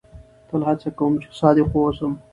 تل هڅه کوم، چي صادق واوسم.